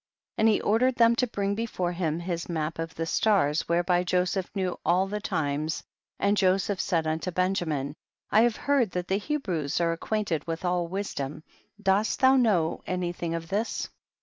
18. And he ordered them to bring before him his map of the stars, whereby Joseph knew all the times, and Joseph said unto Benjamin, I have heard that the Hebrews are ac quainted with all wisdom, dost thou know any thing of this